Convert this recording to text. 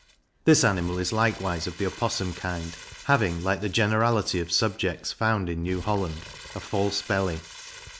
This animal is likewise of the Opossum kind, having, like the generality of subjects found in New Holland, a false belly.